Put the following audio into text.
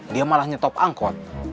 dia malah nyetop angkot